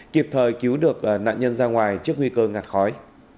kịp thời cứu được nạn nhân ra ngoài trước nguy cơ ngạt khói